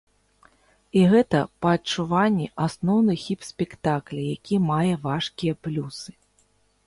І гэта, па адчуванні, асноўны хіб спектакля, які мае важкія плюсы.